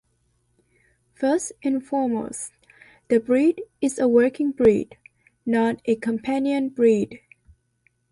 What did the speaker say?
First and foremost the breed is a working breed not a companion breed.